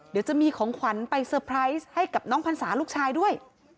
เดี๋ยวจะมีของขวัญไปเตอร์ไพรส์ให้กับน้องพรรษาลูกชายด้วย